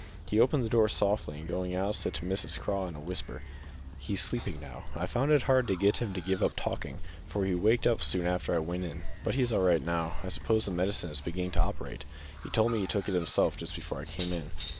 He opened the door softly, and going out, said to Mrs Craw in a whisper "He's sleeping now. I found it hard to get him to give up talking, for he waked up soon after I went in; but he's all right now. I suppose the medicine is beginning to operate; he told me he took it himself just before I came in."